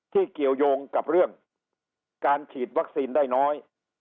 เกี่ยวยงกับเรื่องการฉีดวัคซีนได้น้อย